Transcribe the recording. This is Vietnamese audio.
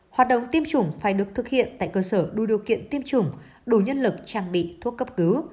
hoạt động tiêm chủng phải được thực hiện tại cơ sở đủ điều kiện tiêm chủng đủ nhân lực trang bị thuốc cấp cứu